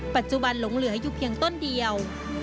ปัจจุบันหลงเหลืออยู่เพียงต้นเดียว